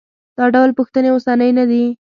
دا ډول پوښتنې اوسنۍ نه دي.